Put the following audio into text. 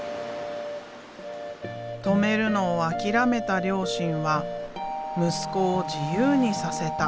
止めるのを諦めた両親は息子を自由にさせた。